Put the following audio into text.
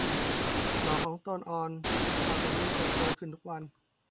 หน่อของต้นอ่อนข้าวสาลีเติบโตขึ้นทุกวัน